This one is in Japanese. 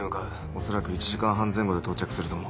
恐らく１時間半前後で到着すると思う。